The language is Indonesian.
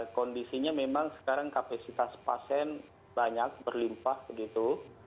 kondisinya memang sekarang kapasitas pasien banyak berlimpah begitu